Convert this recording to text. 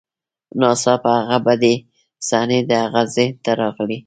ناڅاپه هغه بدې صحنې د هغه ذهن ته راغلې